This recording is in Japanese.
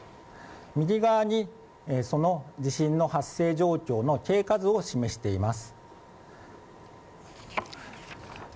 右側にその地震の発生状況の経過図を示しています。